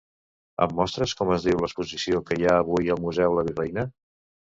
Em mostres com es diu l'exposició que hi ha avui al museu La Virreina?